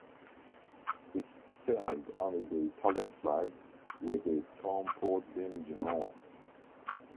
It sailed under the Italian flag, with its home port being Genoa.